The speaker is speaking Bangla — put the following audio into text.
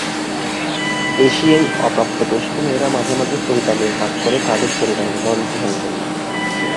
এশিয়ায়, অপ্রাপ্তবয়স্ক মেয়েরা মাঝে মাঝে পতিতালয়ে কাজ করে তাদের পরিবারের ভরণপোষণের জন্য।